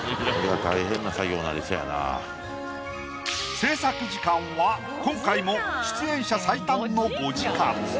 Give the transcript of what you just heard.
制作時間は今回も出演者最短の５時間。